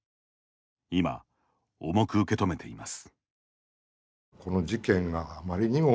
今、重く受け止めています。